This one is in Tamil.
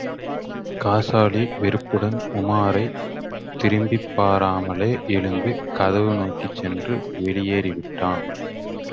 காசாலி, வெறுப்புடன் உமாரைத் திரும்பிப்பாராமலே எழுந்து, கதவு நோக்கிச் சென்று வெளியேறிவிட்டான்.